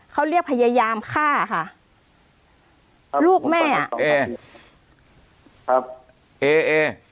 เขาเรียกพยายามฆ่าค่ะลูกแม่อ่ะเอครับเอเอ